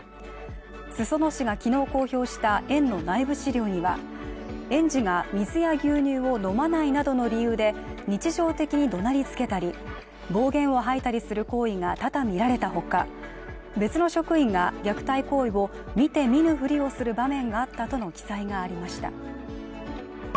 裾野市が昨日公表した園の内部資料には園児が水や牛乳を飲まないなどの理由で日常的にどなりつけたり暴言を吐いたりする行為が多々見られたほか別の職員が虐待行為を見て見ぬふりをする場面があったとの記載がありました。